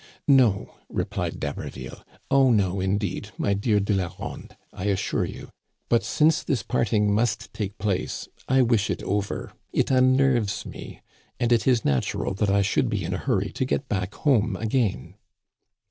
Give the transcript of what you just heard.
" No," replied D'Haberville, " oh, no, indeed, my dear De Laronde, I assure you ; but, since this parting must take place, I wish it over. It unnerves me ; and it is natural that I should be in a hurry to get back home again."